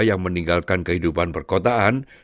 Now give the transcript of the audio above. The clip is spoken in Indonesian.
yang meninggalkan kehidupan perkotaan